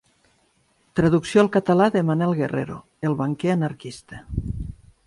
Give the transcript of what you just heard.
Traducció al català de Manel Guerrero El banquer anarquista.